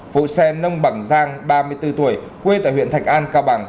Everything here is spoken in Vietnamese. phụ xe nông bằng giang ba mươi bốn tuổi quê tại huyện thạch an cao bằng